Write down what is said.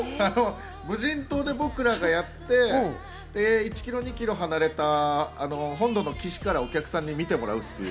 無人島で僕らやって、１２ｋｍ離れた本土の岸からお客さんに見てもらうという。